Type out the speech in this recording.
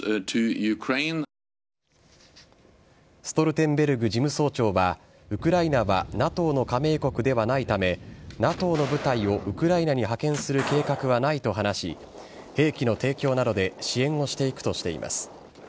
ストルテンベルグ事務総長はウクライナはＮＡＴＯの加盟国ではないため、ＮＡＴＯの部隊をウクライナに派遣する計画はないと話し、兵器の提供などで支援をしていくとしています。